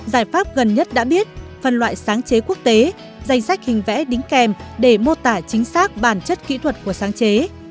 giải pháp gần nhất đã biết phần loại sáng chế quốc tế danh sách hình vẽ đính kèm để mô tả chính xác bản chất kỹ thuật của sáng chế